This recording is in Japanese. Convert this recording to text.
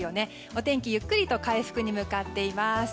お天気、ゆっくりと回復に向かっています。